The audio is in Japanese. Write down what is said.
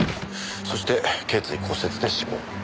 そして頸椎骨折で死亡。